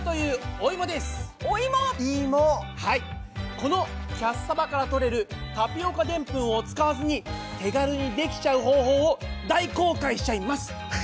このキャッサバからとれるタピオカでんぷんを使わずに手軽にできちゃう方法を大公開しちゃいます！